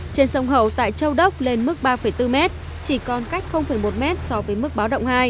trên sông hậu tại châu đốc lên mức ba bốn m chỉ còn cách một m so với mức báo động hai